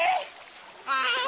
ああ！